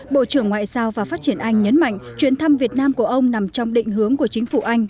bộ trưởng ngoại giao và phát triển anh nhấn mạnh chuyến thăm việt nam của ông nằm trong định hướng của chính phủ anh